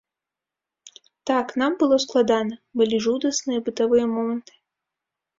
Так, нам было складана, былі жудасныя бытавыя моманты.